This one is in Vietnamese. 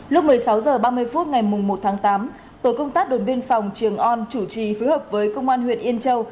lúc một mươi sáu h ba mươi phút ngày một tháng tám tổ công tác đồn biên phòng trường on chủ trì phối hợp với công an huyện yên châu